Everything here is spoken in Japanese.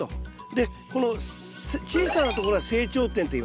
でこの小さなところは成長点といいますね。